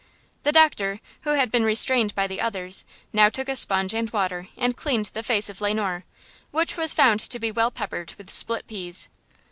The doctor who had been restrained by the others now took a sponge and water and cleaned the face of Le Noir, which was found to be well peppered with split peas!